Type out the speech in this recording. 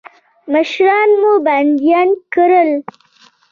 مشران مو بندیان کړل.